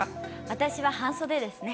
私は半袖ですね。